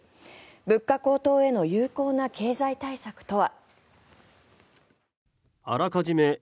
物価高騰への有効な経済対策とは。